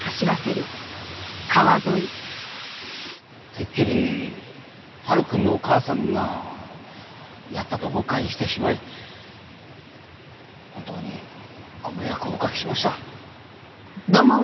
てっきり晴くんのお母さんがやったと誤解してしまい本当にご迷惑をおかけしました。